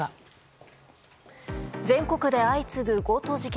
全国で相次ぐ強盗事件。